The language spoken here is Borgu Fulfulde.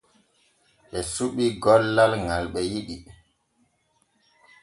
Ɓe suɓa gollal ŋal ɓe yiɗi.